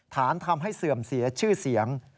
ฐานทำให้เสื่อมเสียชื่อเสียง